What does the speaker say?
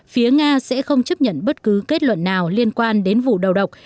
phía nga sẽ không chấp nhận bất cứ kết luận nào liên quan đến vụ đầu độc